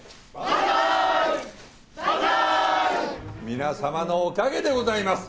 皆様のおかげでございます！